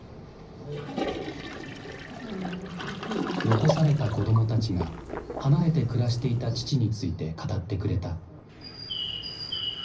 遺された子どもたちが離れて暮らしていた父について語ってくれた。